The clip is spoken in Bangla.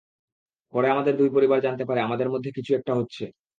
পরে আমাদের দুই পরিবার জানতে পারে আমাদের মধ্যে কিছু একটা হচ্ছে।